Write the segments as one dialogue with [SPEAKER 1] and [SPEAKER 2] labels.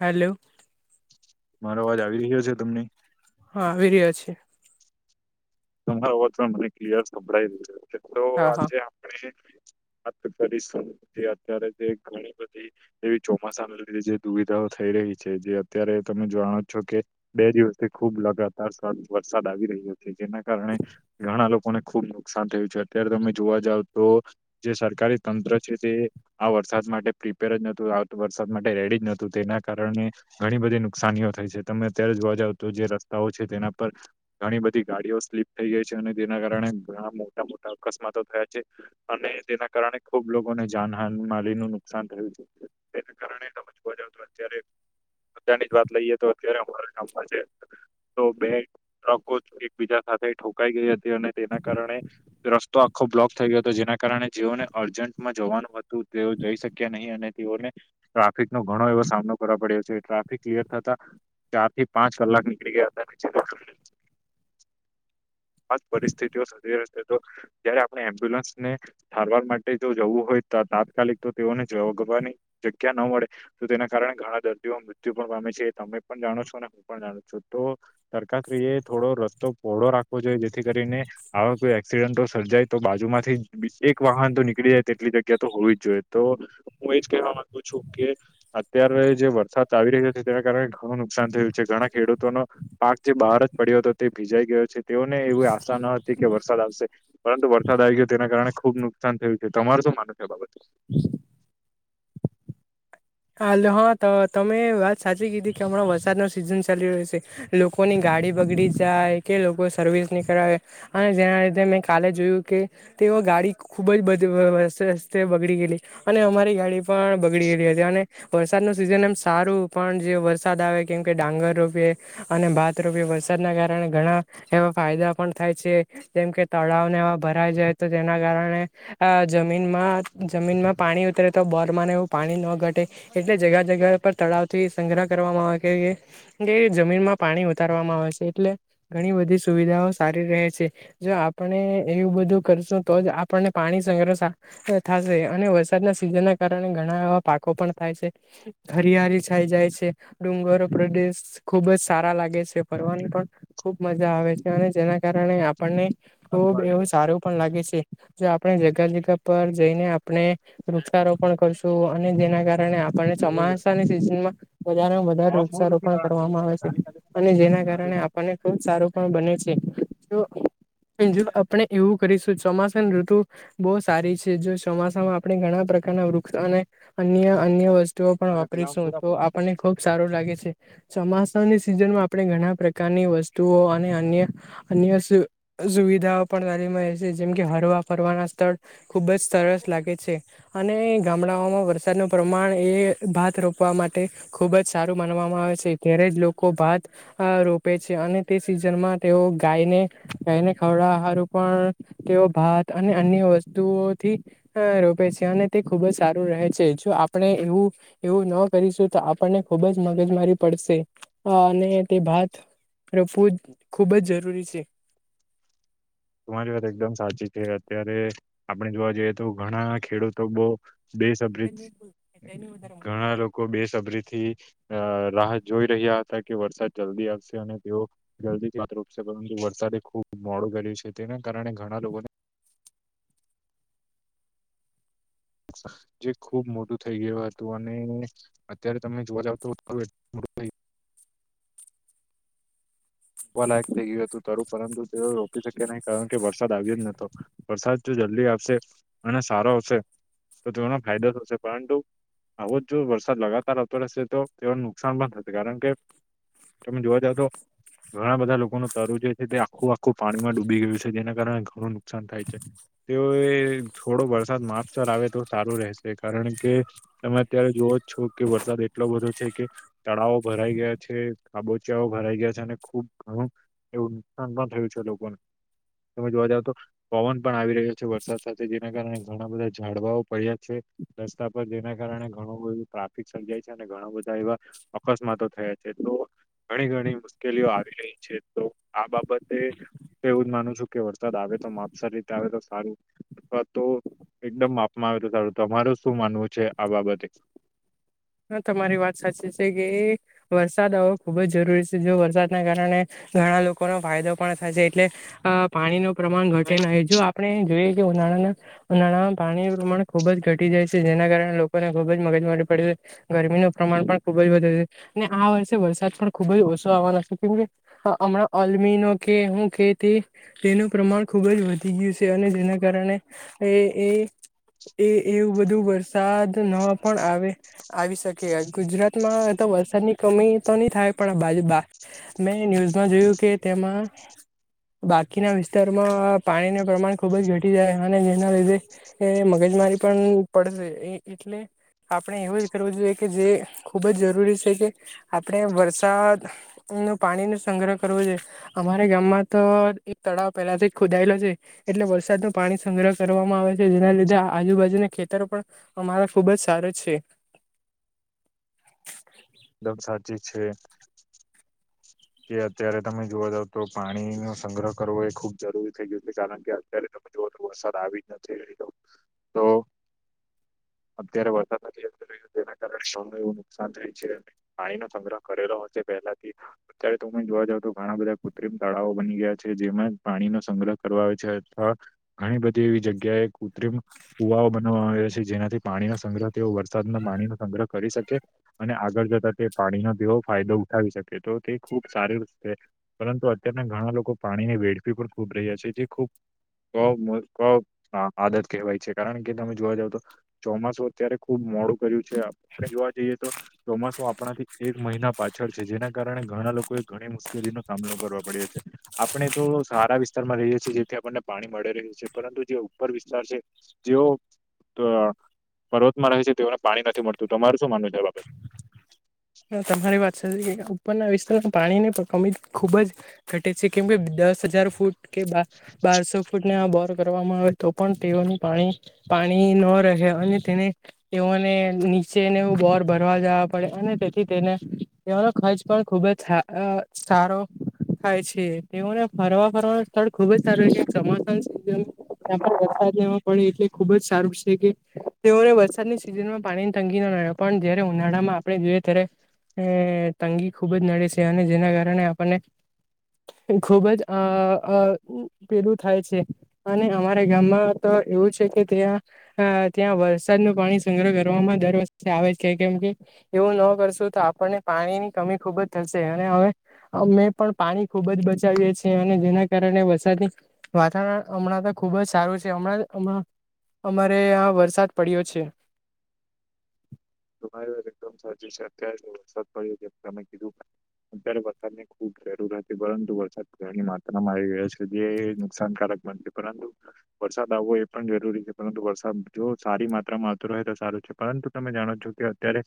[SPEAKER 1] હલોલો
[SPEAKER 2] મારો અવાજ આવી રહ્યો છે તમને
[SPEAKER 1] હા વિરી અ છે..
[SPEAKER 2] તમારા વજ પણ મને ક્લયર સંભળાઈ રહું છે. તો
[SPEAKER 1] હા હા
[SPEAKER 2] આજે આપણે કરી અત્યારે જે ઘણી બધી એવી ચોમાસાને લીધી જે દુવિધા થઈ રહી છે. જે અત્યારે તમે જાણો છો કે બે દિવસથી ખુબ લગાતાર વરસાદ આવી રહી હતી જેના કારણે ઘણા લોકોને ખુબ નુકસાન થયું છે. અત્યારે તમે જોવા જાવ તો જે સરકારી તંત્ર આ વરસાદ માટે પ્રિપેર જતું વરસાદ માટે રેડી જ નતું તેના કારણે ઘણી બધી નુકસાનીઓ થઈ છે. તમે અત્યારે જોવા જાવ તો જે રસ્તાઓ છે. તેના પર ઘણી બધી ગાડીઓ ત થઈ ગઈ છે. અને તેના કારણે ઘણા મોટા મોટા અકસ્માતો થયા છે. અને તેના કારણે ખુબ લોકોને જાનહાન માલી નું નુકસાન થયું તેને કારણે તમેાવ તો અત્યારે અત્યારની જ વાત લઈએ તો અત્યારે અમારા ગામમાં છે. તો બે ટ્રકો એક બીજા ઠોકાઈ ગઈ હતી અને તેના કારણે રસ્તો આખો બ્લોક થઈ ગયો હતો જેના કારણે જીઓને અજ જવાનું હતું તેઓ જઈ શક્યા નહીં અને તેઓને ટ્રાફિક નો. ઘણો એવો સામનો કરવા પડ્યો છે. ટ્રાફિક ક્લિયર થતા. ચાર થી પાંચ કલાક નીકળી ગયા હતા [unintelligible] આ પરિસ્થિતિ સ જયારે આપણે એમ્બ્યુલન્સને સારવાર માટે જો જવું હોય તાત્કાલિક તો તેઓને જગવાની જગ્યા ન મળે તો તેના કારણે ઘણા દર્દીઓ મૃત્યુ પણ પામ તમે પણ જાણો છો અને હું પણ જાણું છું તો તરકા ત થોડો ર પહોળો રાખવો જોઈએ જેથી કરીને આવા કોઈ એક્સિડન્ટો સર્જાય તો બાજુમાંથી એક વાહન નીકળી જાય તેટલી જગ્યા તો હોવી જ જોઈએ તો હું એજ કવા માંગુ છું. કે અત્યારે જે વરસાદ આવી રહ્યો છે. તેના કારણે ઘણું નુકસાન થયું છે. ઘણા ખેડૂતોનો પાક જે બહાર જ પડ્યો હતો. તે ભીજાઈ ગયો છે તેઓને એવી આશા ન. હતી કે વરસાદ આવશે પરંતુ વરસાદ આવી ગયો તેના કારણે ખુબ નુ કસાન થયું છે તમારું શું માનું છે બાબત
[SPEAKER 1] હાલો હા તો તમે વાત સાચી કીધી કે હમણાં વરસાદ ના સિઝન ચાલી રહ્યો છે લોકોની ગા ગાડી બગડી જાય કે લોકો સર્વિસ ની કરે અને જેના લીધે મેં કાલે જોયું કે તો ગાડી ખૂબ જ બધે રતે રસ્તે બગડી ગયેલી અને અમારી ગાડી પણ બગડી ગયેલી હતી અને વરસાદનો સિઝન એમ સારું પણ જે વરસાદ આવે કેમ કે ડાંગર રોપીએ અને ભાત રોપીએ વરસાદના કારણે ઘણા એવા ફાયદા પણ થાય છે જેમ કે તળાવને એવા ભરાય જાય તો તેના ના કારણે જમીનમાં જમીનમાં પાણી ઉતરે તો બોર માને એવું પાણી ન ઘટે. એટલે જગ જગા પર તળાવ થી સંગ્રહ કરવામાં આવે કે જમીન માં પાણી ઉતારવામાં વાવે છે. એટલે ઘણી બધી સુવિધાઓ સારી રહે છે જો આપણે એવું બધું કરશું તો જ આપણને પાણી સંગ્રહ થાશે અને વરસાદના સિઝનના કારણે ઘણા એવા પાકો પણ થ છે હરિયાળી છાઇ જાય છે ડુંગરો પ્રદેશ ખુબ જ સારા લાગે છે કરવાની પણ ખુબ મજા આવે છે અને જેના કારણે આપણને ખુબ એવું સારું પણ લાગે છે જો આપણે જગ્યા જગ્યા પર જઈને આપણે વૃક્ષારોપણ કરશું અને જેના કારણે કારણે આપણને ચોમાસાની સિઝનમાં વધારેમાં વધારે વૃક્ષારોપણ કરવામાં આવે છે અને જેના કારણે આપણને ખુબ સારું પણ બને છે તો જો આપણે એવું કરીશું ચોમાસું. ઋતુ બહુ સારી છે. જો ચોમાસામાં આપણે ઘણા પ્રકારના વૃક્ષ અને અન્ય અન્ય વસ્તુઓ પણ વાપરીશું તો આપણને ખુબ સારું લાગે છે. ચોમાસાની સિઝનમાં આપણે ઘણા પ્રકારની વસ્તુઓ અને અન્ય અન્ય સુવિધા પણ વાલી છે જેમ કે હરવા ફરવાના સ્થળ ખુબ જ સરસ લાગે છે. અને ગામડાઓમાં વરસાદનો પ્રમાણે ભાત રોપવા માટે ખૂબ જ સારું માનવામાં આવે છે ત્યારે જ લોકો ભાત રોપે છે અને તે સિઝનમાં તેઓ ગાયને ગાયને ખવડાવા હારું પણ તેઓ ભાત અને અન્ય વસ્તુઓથી રોપે છે અને તે ખુબ જ સારું રહે છે જો આપણે એવું એવું ન કરીશું તો આપણને ખુબ જ મગજ મારી પડશે. અને તે ભાત રોપવું ખુબ જ જરૂરી છે.
[SPEAKER 2] [inaudible] તમારી વાત એકદમ સાચી છે અત્યારે આપણે જોવા જઈએ તો ઘણા ખેડૂતો બહુ બેસબરી ઘણા લોકો બેસબરી થી રાહ જોઈ રહ્યા હતા કે વરસાદ જલ્દી આવશે અને તેઓ જલ્દી થી પાક રોપશે. પરંતુ વરસાદે ખુબ મોડું કર્યું છે તેના કારણે ઘણા લોકોને જે ખુબ મોટું થઈ ગયું હતું અને અત્યારે તમે જોવા જાવ તો [unintelligible] વાવ લાયક થઈ ગયું હતું પરંતુ તેઓ રોપી શક્યા નહીં કારણ કે વરસાદ આવ્યો જ નોતો વરસાદ જો [unintelligible] અને સારો આવશે તો તેઓનો ફાયદો થશે પરંતુ આવો જ જો વરસાદ લગાતાર આવતો રહેશે તો તેઓને નુકસાન પણ થશે કારણ કે તમે જોવા તો ઘણા બધા લોકોનું તરું જે છે તે આખું આખું પાણીમાં ડૂબી ગયું છે જેના કારણે ઘણું નુકસાન થાય છે. તેઓ એ થોડો વરસાદ માપસર આવે તો સારું રહેશે કારણ કે તમે અત્યારે જો છો કે વરસાદ એટલો બધો છે કે તળાવો ભરાઈ ગયા છે ખાબોચિયાઓ ભરાઈ ગયા છે અને ખુબ ઘણું એવું નુકસાન પણ થયું છે લોકોને. તમે જોવા જાવ તો પવન પણ આવી રહ્યો છે વરસાદ સાથે જેના કારણે ઘણા બધા ઝાડવાઓ પડ્યા છે. રસ્તા પર જેના કારણે ઘણું બધું ટ્રાફિક સર્જાય છે અને ઘણા બધા એવા અકસ્માતો થયા છે. તો ઘણી ઘણી મુશ્કેલીઓ આવી રહી છે તો આ બાબતે તો એવું જ માનું છું કે વરસાદ આવે તો માપસર રીતે આવે તો સારું અથવા તો એકદમ માપમાં આવે તો સારું તમાર શું માનવું છે આ બાબતે.
[SPEAKER 1] હા તમારી વાત સાચી છે કે વરસાદ આવવો ખૂબ જ જરૂરી છે જો વરસાદના કારણે ઘણા લોકોનો ફાયદો પણ થશે એટલે અ પાણીનું પ્રમાણ ઘટે
[SPEAKER 2] એકદમ
[SPEAKER 1] નહી જો આપણે જોઈએ તે ઉનાળાના ઉનાળામાં પાણી પ્રમાણ ખુબ જ ઘટી જાય છે, જેના કારણે લોકોને ખુબ જ મગજ મારી પડે છે. ગરમીનું પ્રમાણ પણ ખુબ જ વધારે છે, અને આ વર્ષે વરસાદ પણ ખુબ જ ઓછો આવવાનો છે, કેમકે હ હમણાં અલમીનો કે હું કે તે તેનું પ્રમાણ ખુબ જ વધી ગયું છે, અને જેના કાર પણને એ એ એ એવું બધું વર વરસાદ ન પણ આવે આવી શકે ગુજરાતમાં તો વરસાદની કમી તો ની થાય પણ બાજુ બા મેં ન્યૂઝમાં જોયું કે તેમાં બાકીના વિસ્તારમાં પાણીનું પ્રમાણ ખુબ જ ઘટી જાય અને જેના લીધે એ મગજ મારી પન પડશે એટલે આપણે એવું કરવું જોઈએ કે જે ખૂબ જ જરૂરી છે, કે આપણે વરસાદનુ પાણીનુ શા સંગ્રહ કરવો અમારે ગામમાં તો એક તળાવ પહેલાથી ખુદાયેલો છે એટલે વરસાદનું પાણી સંગ્રહ કરવામાં આવે છે જેના લીધે આજુબાજુના ખેતરો પણ અમારા ખુબ જ સારો છે.
[SPEAKER 2] એકદમ સાચી છે. કે અત્યારે તમે જોવા જાવ તો પાણી નો સંગ્રહ કરવો એ ખુબ જરૂરી થઈ ગયું છે કારણ કે અત્યારે તમે જો વરસાદ આવી જ નથી એ તો તો અત્યારે વરસાદ નથી જતો રહ્યો તેના કારણે શને એવું નુકસાન થાય છે. પાણી નો સંગ્રહ કરેલો હશે પેલાથી અત્યારે ત પણ જોવા તો ઘણા બધા કૃત્રિમ તળાવઓ બની ગયા જેમાં પાણીનો સંગ્રહ કરવા આવે છે અથવા ઘણી બધી એવી જગ્યાએ કૃત્રિમ કુવાઓ બનવામાં આવે છે. જેનાથી પાણીનો સંગ્રહ તેઓ વરસાદના પાણીનો સંગ્રહ કરી શકે અને આગળ જ એટલે તે પાણીનો તેવો ફાયદો ઉઠાવી શકે તો તે ખુબ સારી રીતે પરંતુ અત્યારના ઘણા લોકો પાણીને વેડફી પણ ખૂબ રહ્યા છે, જે ખૂબ [unintelligible] આદત કહેવાય છે, કારણ કે તમે જોવા જાવ તો ચોમાસું અત્યારે ખુબ મોડું કર્યું છે, આપણે જોવા જઈએ તો ચોમાસું આપ આપણાથી એક મહિના પાછળ છે, જેના કારણે ઘણા લોકોએ ઘણી મુશ્કેલીનો સામનો કરવા પડ્યો છે, આપણે આપણે તો સારા વિસ્તારમાં રહીએ છીએ જેથી આપણને પાણી મળે રહે છે, પરંતુ જે ઉપર વિસ્તાર છે, જેઓ તો પર્વતમાં રહે છે, તેઓને પાણી નથી મળતું તમારું શું માનવું છે આ બાબતે?
[SPEAKER 1] તમારી વાત સાચી છે, ઉપરના વિસ્તારમાં પાણીની તો કમી ખુબ જ ઘટે છે, કેમ કે દસ હજાર ફૂટ કે બા બારસો ફૂટ ને આ બોર કરવામાં આવે તો પણ તેઓને પાણી પાણી ન રહે અને તેને તેઓને ને નીચે નેવું બોર ભરવા જવા પડે અને તે થી તેને એનો ખર્ચ પણ ખુબ જ સા સારો થાય છે તેઓને ફરવા ફરવાનું સ્થળ ખુબ સારું છે [unintelligible] વરસાદ નેવો પડે એટલે ખુબ જ સારું છે, કે તેઓને વરસાદની સિઝનમાં પાણીની તંગી ન રહે પણ જયારે ઉનાળામાં આપણે જોઈએ અત્યારે એ તંગી ખૂબ જ નડે છે, અને જેના કારણે આપણને ખુબ જ આ આ પેલું થાય છે, અને અમારે ગામમાં એવું છે કે ત્યાં અ ત્યાં વરસાદનું પાણી સંગ્રહ કરવામાં દર વર્ષે આવે જ છે, કે કેમ કે એવું ન કરશું તો આપણને પાણીની કમી ખુબ જ થશે અને હવે અમે પણ પાણી ખુબ જ બચાવીએ છે અને જેના કારણે વરસાદની વાતાવરણ હમણાં તો ખુબ જ સારું છે, હમણાંં હમણા અમારે અંયા આ વરસાદ પડ્યો છે.
[SPEAKER 2] [inaudible] [unintelligible] એકદમ સાચૂ છે અત્યારે તો વરસાદ પડ્યો છે, તમે કીધું અત્યારે વરસાદને ખુબ જરૂર હતી પરંતુ વરસાદ ઘણી માત્રામાં આવી ગયો છે, જે નુકસાનકારક બનશે પરંતુ વરસાદ આવવો એ પણ જરૂરી છે, પરંતુ વરસાદ જો સારી માત્રામાં આવતો રહે તો સારો છે, પરંતુ તમે જાણો છો કે અત્યારે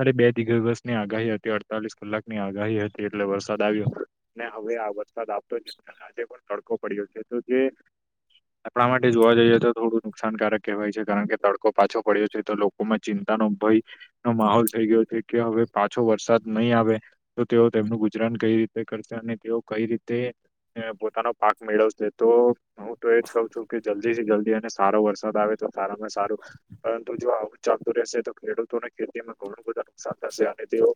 [SPEAKER 2] અરે બે દિ દિવસની આગાહી હતી અડતાલીસ કલાકની આગાહી હતી એટલે વરસાદ આવ્યો ને હવે આ વરસાદ આવતો જ આજે પણ તડકો પડ્યો છે, તો જે આપણા માટે જોવા જઈએ તો થોડું નુકસાનકારક કહેવાય છે, કારણ કે તડકો પાછો પડ્યો છે, તો લોકોમાં ચિંતા અનો ભઈ નો માહોલ થઈ ગયો છે કે હવે પાછો વરસાદ નહી આવે તો તેઓ તેમનું ગુજરાન કઈ રીતે [unintelligible] તેઓ કઈ રીતે ને પો પોતાનો પાક મેળવશે તો હું તો એજ કઉ છું કે જલ્દીથી જલ્દી તે અને સારો વરસાદ આવે તો સારામાં સારું પરંતુ જો આવું ચાલતું રહેશે તો ખેડૂત ને ખેતીમાં ઘણું બધા નુકસાન થશે અને તેઓ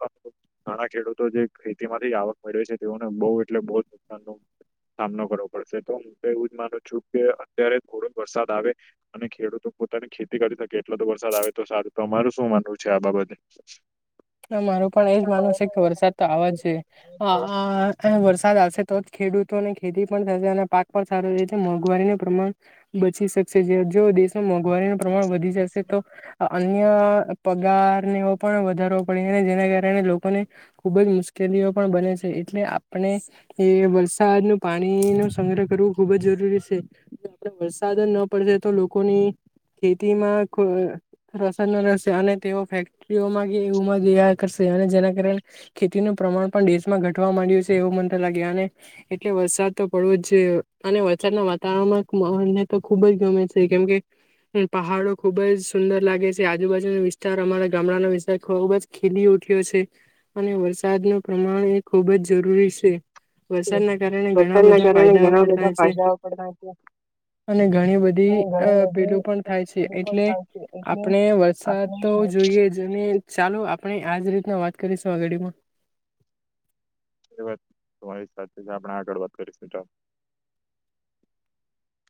[SPEAKER 2] [unintelligible] ઘણા ખેડૂતો જે ખેતી માંથી આવક મળવી છે તેઓને બહુ એટલે બહુ જ નુકસાન નો સામનો કરવો પડશે તો હું તો એવું જ માનું છું કે અત્યારે થોડુંક વરસાદ આવે અને ખેડૂતો પોતાની ખેતી કરી શકે કેટલો તો વરસાદ આવે તો સારું તમારું શું માનવું છે આ બાબતે.
[SPEAKER 1] તો મારું પણ એજ માનવું
[SPEAKER 2] મારે
[SPEAKER 1] છે કે વરસાદ તો આવવા જોઈએ
[SPEAKER 2] પણ એ જ
[SPEAKER 1] આ
[SPEAKER 2] છે.
[SPEAKER 1] આ વરસાદ આવશે તો જ ખેડૂતોને ખેતી પણ થશે અને પાક પણ સારો રહે છે મોંઘવારીનું પ્રમાણ બચી શક શે જો દેશમાં મોઘવારીનો પ્રમાણ વધી જશે તો અન્ય પગારને એવો પણ વધારો પણ એને જેના કારણે લોકોને ખુબ જ મુશ્કેલીઓ પણ બને છે, એટલે આપણે એ વર સાદનુ પાણીનો સંગ્રહ કરવું ખુબ જ જરૂરી છે, [unintelligible] વરસાદ ન પડશે તો લોકોને ખેતીમાં રસન રહેશે અને તેઓ ફેક્ટરીઓમાં એવુંમા લીયા કરશે અને જેના કારણે ખેતીનું પ્રમાણ પણ દેશમાં ઘટવા માંડ્યું છે, એવું મન તો લાગે અને એટલે વરસાદ તો પડવો જ છે, અને વરસાદના વાતાવરણમાં મહોલને તો ખુબ જ ગમે છે. કેમ કે પહાડો ખુબ જ સુંદર લાગે છે, આજુબાજુનો વિસ્તાર અમારા ગામડાનો વિસ તાર ખૂબ જ ખીલી ઉઠ્યો છે, અને વરસાદનું પ્રમાણ એ ખૂબ જ જરૂરી છે. વરસાદના કારણે ઘણા
[SPEAKER 2] વરસાદના
[SPEAKER 1] બધા
[SPEAKER 2] કારણે
[SPEAKER 1] ફાયદાઓ
[SPEAKER 2] ઘણા
[SPEAKER 1] પડતા
[SPEAKER 2] બધા
[SPEAKER 1] છે.
[SPEAKER 2] ફાયદાઓ પણ થાય છે
[SPEAKER 1] અને ઘણી બધી
[SPEAKER 2] અને
[SPEAKER 1] અ
[SPEAKER 2] ઘણી બધી
[SPEAKER 1] પેલું પણ થાય છે,
[SPEAKER 2] મતલબ પણ
[SPEAKER 1] એટલે
[SPEAKER 2] થાય છે એટલે
[SPEAKER 1] આપણે વરસાદ
[SPEAKER 2] આપણે
[SPEAKER 1] તો આપવું જોઈએ જેની ચાલો આપણે આજ રીતના વાત કરીશું આ ગાડીમાં.
[SPEAKER 2] એ વાત તમારી સાચી છે આપણે આગળ વાત કરીશું ચાલ. [inaudible]